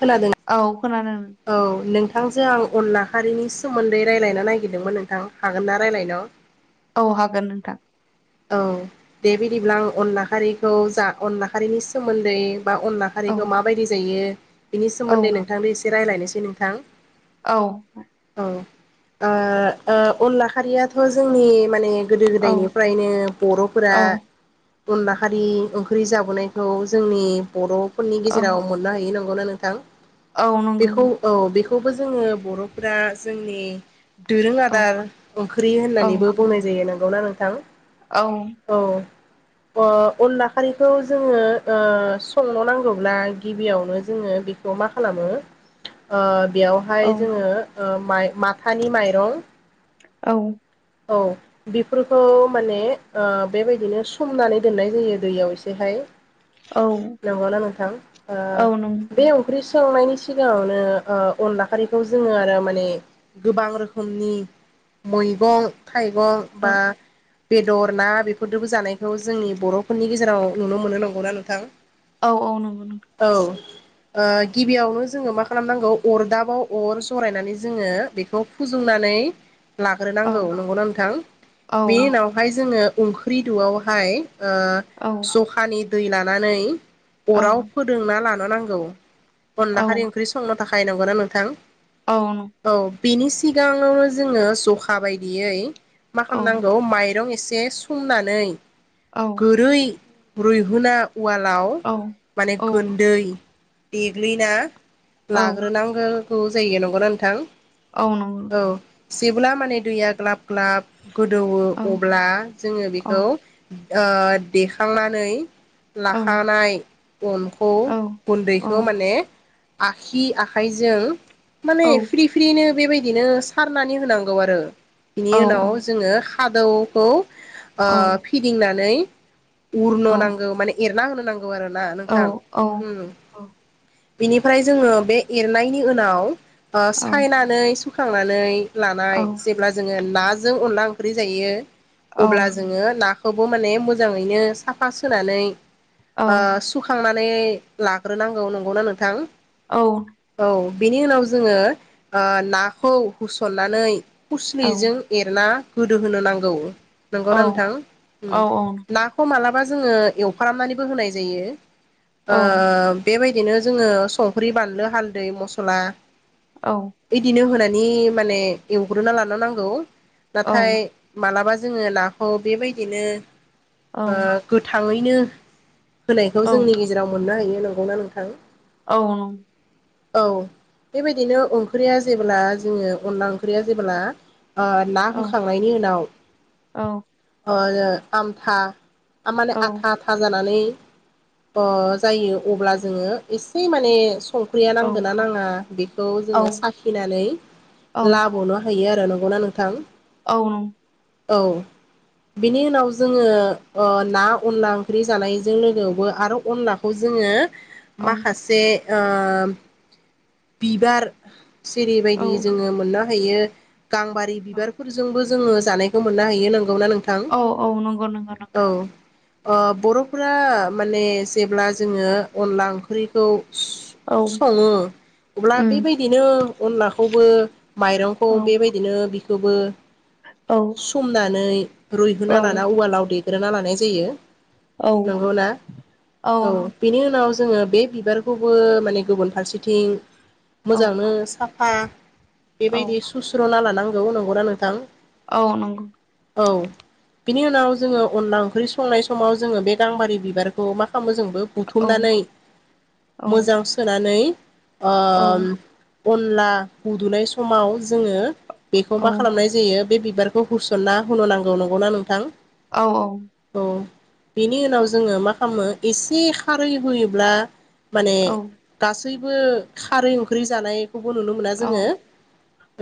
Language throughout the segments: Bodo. खोनादों औ नों नोंथांजों आं अनला खारिनि सोमोन्दै रायलायनो नागिरदोंमोन नोंथां हागोन ना रायलायनो? औ हागोन नोंथां। औ दे बिदिब्ला आं अनलि खारिखौ जा अनला खारिनि सोमोन्दै बा अनला औ खारिखौ माबायदि जायो बिनि औ सोमोन्दै नोंथांनो एसे रायज्लायनोसै नोंथां। औ। औ ओ ओ ओ अनला खारियाथ' जोंनि माने गोदो औ गोदायनि बिदिनो बर'फोरा औ अनला खारि ओंख्रि जाबोनायखौ जोंनि बरफोरनि औ गेजेराव मोननो हायै नङा गौना नोंथां औ नंगौ बेखौ औ बेखौबो जोङो बर'फोरा जोंनि दोरों औ आदार ओंख्रि औ होननानैबो बुंनाय जायो नंगौना नोंथां? औ। अ अनला खारिखौ जोङो ओ संनो नांगौब्ला गिबियावनो जोङो खौ मा खालामो ओ औ बेयावहाय जोङो माइ माथानि माइरं औ। औ बेफोरखौ माने ओ बेबायदिनो सोमनानै दोननाय जायो दैयाव एसेहाय औ नंगौना नोंथां ओ औ नं बे ओंख्रि संनायनि सिगाङावनो ओ अनला खारिखौ जोङो आरो माने गोबां रोखोमनि मैगं थाइगं औ बा बेदर ना बेफोरदोबो जानायखौ जोंनि बर'फोरनि गेजेराव नुनो मोननो नंगौना नोंथां? औ औ नंगौ नंगौ। औ ओ गिबियावनो जोङो मा खालामनांगौ अरदाबाव अर जरायनानै जोङो बेखौ फोजुंना नानै औ लाग्रोनांगौ नंगौना नोंथां? औ बेनि उनावहाय जोङो ओंख्रुइ द'आवहाय ओ औ ज'खानि दै लानानै औ अराव फोदोंना लानो नांगौ। औ अनला खारि ओंख्रि संनो थाखाय नंगौना नोंथां? औ नों औ बेनि सिगाङावनो जोङो जखा बायदियै मा औ खामनांगौ माइ रं एसे सुंनानै औ गोरै रुइहुना उवालाव औ माने गोन्दै देग्लैना लाग्रोनांगो गौ जायो नंगौ ना नोंथां? औ नंगौ। जेबोला माने दैया ग्लाब ग्लाब गोदौ अब्ला जोङो बेखौ ओ देखांनानै औ लाखानाय अनखौ गुन्दैखौ औ माने आखि आखाइजों माने फ्रि फ्रिनो बेबाय बिदिनो सारनानै होनांगौ आरो बिनि उनाव जोङो खादौखौ ओ फिदिंनानै उरनो नांगौ माने एरना होनो नांगौ आरोना नोंथां उम। बिनिफ्राय जोङो बे एरनायनि ओनाव ओ सायनानै सुखांनानै औ लानाय जेब्ला जोङो नाजों अनला ओंख्रि जायो औ औ अब्ला जोङो नाख खोबो माने मोजाङैनो साफा सोनानै औ ओ सुखांना नै लाग्रो नांगौ नंगौ ना नोंथां? औ औ बेनि उनाव जोङो ओ नाखौ हुसननानै औ खुस्लिजों एरना गोदो होनो नांगौ औ नंगौ ना नोंथां उम नाखौ माला बा जोङो एवफ्रामनानैबो ओ औ बेबाय दिनो जोङो संख्रि बानलु हालदै मस'ला इदिनो होना नि माने एवग्रोना लाना नांगौ औ नाथाय मालाबा जोङो नाखौ बेबायदिनो औ ओ गोथाङैनो होनायखौ जोंनि गेजेराव मोननो हायो नंगौ ना नोंथां? औ नं औ बेबायदिनो ओंख्रिया जेबोला जोङो अनला ओंख्रिया जेबोला ओ ना होखांनायनि ओनाव औ ओ आमथा आ माने आथा आथा जानानै अ जायो अब्ला जोङो एसे माने संख्रिया नांदोना नाङा बेखौ जोङो साखिनानै लाबोनो थायो आरो नंगौ ना नोंथां? औ नं औ बिनि ओनाव जोङो ओ ना अनला ओंख्रि जानायजों लोगोआवबो आरो अनलाखौ जों जोङो माखासे ओ बिबार औ सिरिबायदि जोङो मोननो हायो गांबारि बिबारफोरजोंबो जोङो जानायखौ मोननो हायो नोंगौ ना नोंथां? औ नंगौ नंगौ औ। नंगौ ओ बर'फोरा माने जेब्ला जोङो अनला ओंख्रि खौ औ सङो ब्ला उम बेबायदिनो अनलाखौबो माइरंखौ औ बेबायदिनो बिखोबो औ समनानै औ रुइहोना लाना उवालाव देग्रोना लानाय जायो। औ नंगौ ना? औ बिनि उनाव जोङो बे बिबारखौबो माने गुबुन फारसेथिं औ मोजांनो साफा बेबायदि औ सुस्र'ना लानांगौ नंगौना नोंथां? औ नंगौ। औ बिनि उनाव जोङो अनला ओंख्रि संनाय समाव जोङो बे गांबारि बिबारखौ मा खालामो जोंबो औ बुथुमनानै औ मोजां सोनानै औ ओम अनला उदुनाय समाव जोङो बेखौ औ मा खालामनाय जायो बे बिबारखौ ह होसनना होन नांगौ नंगौना नोंथां? औ औ। औ बेनि उनाव जोङो मा खालामो एसे खारै होयोब्ला माने गा सैबो खारै ओंख्रि जानायखौबो नुनो मोना जोङो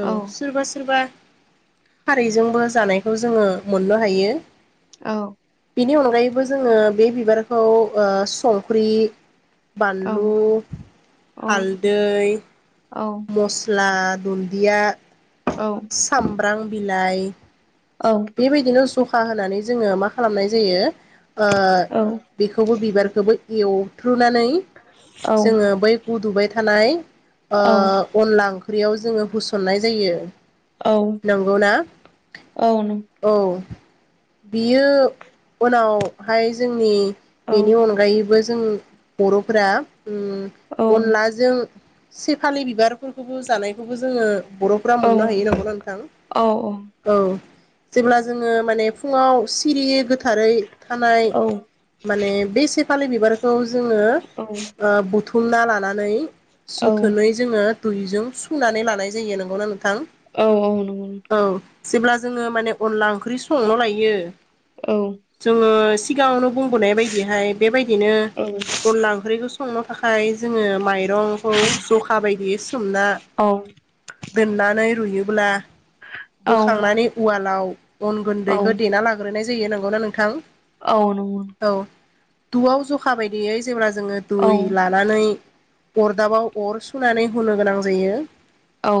औ सोरबा सोरबा खारैजोंबो जानायखौ जोङो मोननो हायो। औ। बेनि अनगायैबो जोङो बे बिबारखौ ओ संख्रि बानलु, हालदै, मस्ला दुन्दिया, सामब्राम बिलाइ औ बेबायदिनो जखा होनानै जोङो मा खालामनाय जायो ओ औ बेखौबो बिबारखौबो एव फ्रुनानै औ जोङो बै उदुबाय थानाय औ ओ अनला ख्रियाव जोङो होसननाय जायो औ नंगौना औ नों। औ बियो उनावहाय जोंनि औ बेनि अनगायैबो जों बर'फोरा उम औ अनलाजों सेफालि बिबारफोरखौबो जानायखौबो जोङो बर'फ्रा औ मोननो हायो नांगौना नोंथां? औ औ। जेब्ला जोङो माने फुङाव सिरियै गोथारै थानाय माने बे सेफालि बिबारखौ जोङो ओ बुथु थुमना लानानै औ जोथोनै जोङो दैुजों सुनानै लानाय जायो नोंगौ नों औ- औ नंगौ नोंथां। जेब्ला जोङो माने अनला ओंख्रि संनो लायो जोङो सिगाङावनो बुंबोनाय बायदिहाय बेबायदिनो अनला ओंख्रिखौ सं संनो थाखाय जोङो माइरंखौ जखा बायदि सोमना दोननानै रुयोब्ला बोखांनानै उवालाव अन गुन्दैखौ देना लाग्रोनाय जायो नंगौना नोंथां। औ नंगौ। द'आव जखा बायदियै जेब्ला जोङो दै लानानै अरदाबाव अर सुनानै होनो गोनां जायो। औ।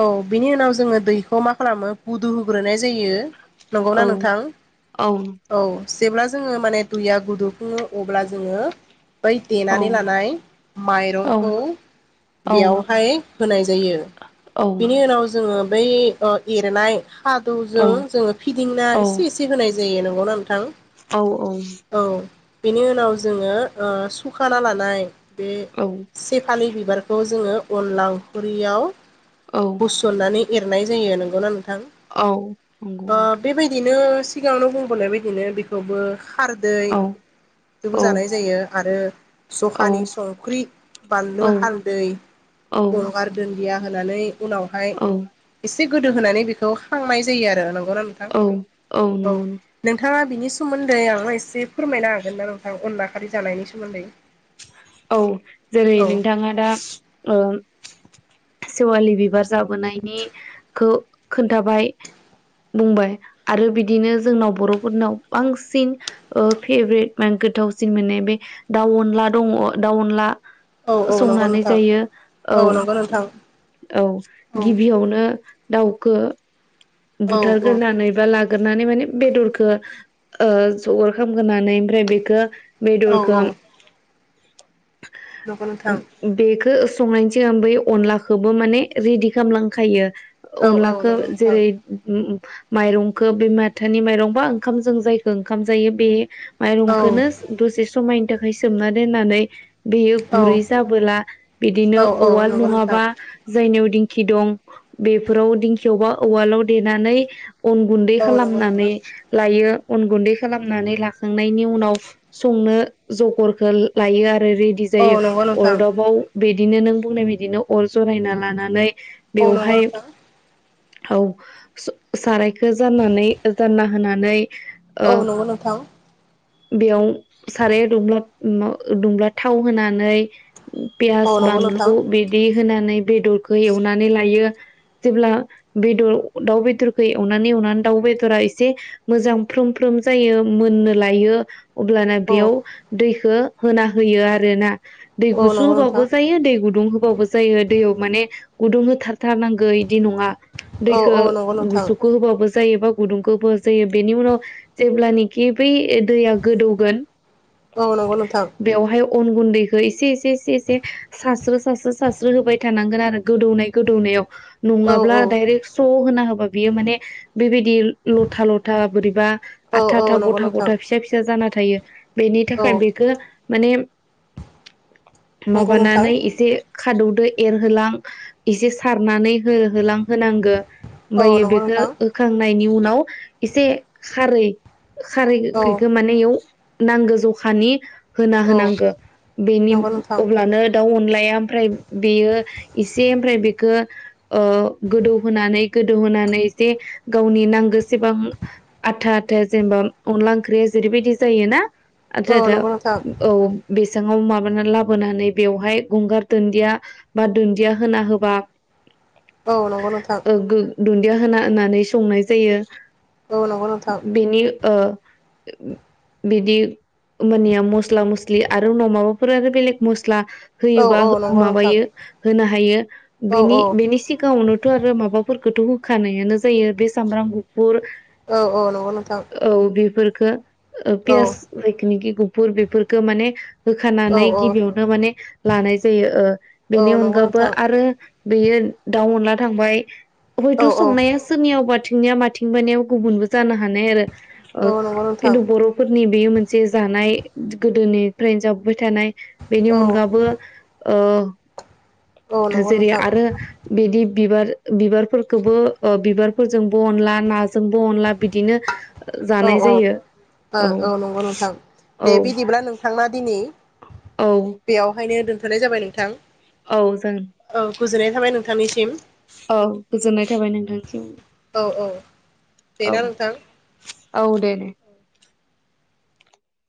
औ बिनि उनाव जोङो दैखौ मा खालामो फुदुं होग्रोनाय जायो। नंगौना नोंथां? औ। जेब्ला जोङो माने दैया गुदौ खुङो अब्ला जोङो बै देनानै लानाय माइरंखौ बेयावहाय होनाय जायो बिनि उनाव जों जोंड़ो बै ऐरनाय हादुं जों जोंड़ो फिदिंना इसे- इसे होनाय जायो नंगौना नोंथां? औ। बेनि उनाव जोङो सुखाना लानाय बे सेफालि बिबारखौ जोङो अनला ओंख्रिआव हुसननानै एरनाय जायो नंगौना नोंथां? औ। ओ बेबायदिनो सिगाङावनो बुंबोननाय बायदिनो बेखौबो। हारदै औ औ बेबो जानाय जायो आरो औ जखानि नंगौ संख्रि बानलु औ औ नंगौ औ हालदै गंगार दुन्दिया होनानै उनावहाय एसे गोदो होनानै बेखौ हांनाय जायो आरो नों नोंथां औ नोंथाङा बिनि सोमोन्दै आंनो इसे फोरमायनो हागोन ना नोंथां अनला खारि जानायनि सोमोन्दै? औ जेरै औ नोंथाङा दा सेवालि बिबार जाबोनायनिखौ खोनथाबाय। बुंबाय आरो बिदिनो जोंनाव बर'फोरनाव बांसिन फेभरेट मा गोथावसिन मोननाय बे दाउ अनला दङ, दाउ अनला औ औ नंगौ संनानै नोंथां जायो औ। नंगौ नोंथां औ औ गिबियावनो दाउखौ औ बुथारग्रोनानै बा लाग्रो गोरनानै माने बेदरखौ ओ जगार खालाम ग्रोनानै ओमफ्राय बेखो औ बेदरखौ नंगौ नोंथां बेखो संनायनि सिगां बै अनलाखौबो माने रेडि खालामलांखायो औ औ अनलाखौ नंगौ जेरै नोंथां माइरंखौ बे माथानि माइरं बा ओंखामजों जायखौ ओंखाम जायो बे औ माइरंखौनो दसे समायनि थाखाय सोमना दोननानै बेयो औ गुरै जाबोला बिदिनो औ औ औवाल नंगौ नङाबा नोंथां जायनियाव दिं -खि दं बेफोराव दिंखियावबा उवालाव देनानै अन गुन्दै औ नंगौ खालामनानै नोंथां लायो। अन गुन्दै खालामनानै लाखांनायनि उनाव संनो जगरखौ लायो आरो। आरो रेडि औ जायो नंगौ नोंथां औ नंगौ नोंथां अरदाबाव बिदिनो नों बुंनाय बिदिनो अर जरायना लानानै औ नंगौ बेवहाय नोंथां। औ सारायखौ जाननानै जानना होनानै ओ औ नंगौ नोंथां। बेयाव साराया दुंब्ला -दुंब्ला थाव होनानै पियास औ नंगौ नोंथां बानलु बिदि होनानै बेदरखौ एवनानै लायो जेब्ला बेदर दाउ बेदरखौ एवनानै एवनानै दाउ बेदरा एसे मोजां फ्रोम फ्रोम जायो। नो लायो अब्लाना औ बेयाव दैखौ होना होयो आरोना। दै औ गुसु नंगौ नोंथां होबाबो जायो दै गुदुं होब हबावबो जायो दैयाव माने गुदुं होथारथारनांगौ इदि नंङा। औ औ नंगौ दैखो नोंथां गुसुखौ होबाबो। जायो बा गुदुंखौबो जायो बेनि उनाव जेब्लानखि बै दैया गोदौगोन औ नंगौ नोंथां बेवहाय अन गुन्दैखौ एसे एसे एसे एसे सासस्रो सास्रो सासस्रो होबाय थानांगोन आरो गोदौनाय गोदौनायाव औ नंङाब्ला औ दायरेक स' होना होबा बियो माने बेबायदि बिदि लथा लथा बोरैबा औ आथा औ आथा नंगौ गथा नोंथां गथा फिसा फिसा जाना थायो। बेनि औ थाखाय बेखौ माने नंगौ नोंथां माबानानै एसे खादौदो एरहोलां इसे सारनानै होहोलां होनांगो औ ओमफ्रायो नंगौ बेखौ नोंथां होखांनायनि उनाव एसे खारै खारै औ गखो माने इयाव नांगौ जखानि होना औ होनांगौ बेनि नंगौ नोंथां अब्लानो दाउ अनलाया ओमफ्राय बेयो इसे ओमफ्राय बेखौ ओ गोदौ होनोनानै गोदौहोनानै जे गावनि नांगोसेबां आथा आथा जेनेबा अनला ओंख्रिया जेरै बायदि औ जायो नंगौ नोंथां औ‌ बेस बिङाव माबा लाबोनानै बेवहाय गंगार दुन्दिया बा दुन्दिया होना होबा औ नंगौ नोंथां बिदि होना होननानै संनाय जायो औ नंगौ नोंथां बेनि ओ [unintelligible] बिदि मानिया मस्ला मस्लि आरो उनाव माबाफोर आरो बेलेग मस स्ला औ होयोबा औ नंगौ नोंथां माबायो होनो हायो औ बेनि बेनि सिगांङावनो माबाफोरखौथ' होखानायानो जायो बे सामब्राम गु फुर औ औ नंगौ नोंथां औ बेफोर खो ओ औ पियास जायखिनिखि गुफुर बेफोरखौ माने औ होखानानै गिबियावनो माने लानाय जायो ओ औ बेनि नंगौ नोंथां औ नंगौ नोंथां अनगाबैबो आरो। बेयो दाउ अनला थांबाय हयथ' औ संनाया सोरनियावबाथो निया माथिं बानिवा गुबुनबो जानो हानाय आरो नंगौ खिन्थु नोंथां बर'फोरनि बेयो मोनसे जानाय गोदोनिफ्रायनो जाबाय थानाय बेनि औ अनगाबो औ ओ जेरै आरो बिदि बिबार बिबारफोरखौबो बिबारफोरजोंबो अनला नाजोंबो अनला बिदिनो औ जानाय औ जायो औ नंगौ नोंथां औ दे बिदिब्ला नोंथांना दिनै औ बेयावहायनो दोनथ'नाय जाबाय नोंथां। औ जों औ गोजोननाय थाबाय नोंथांनिसिम। औ गोजोननाय थाबाय नोंथांनिफ्राय। बेना नोंथां औ दे दे